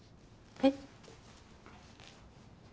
えっ？